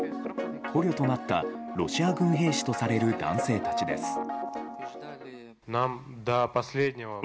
捕虜となったロシア軍兵士とされる男性たちです。